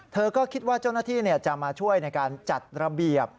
เธอก็คิดว่าเจ้าหน้าที่จะมาช่วยในการจัดระเบียบ